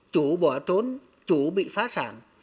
chủ bỏ trốn chủ bị phá sản